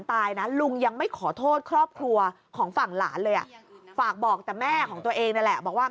ฝั่งลุงโฮงก็บอกว่าอ๋อ